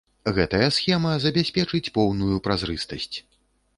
Гэтая схема забяспечыць поўную празрыстасць.